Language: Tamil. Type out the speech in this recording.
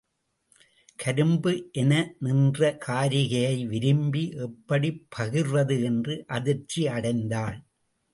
கரும்பு என நின்ற காரிகையை விரும்பி எப்படிப் பகிர்வது என்று அதிர்ச்சி அடைந்தாள்.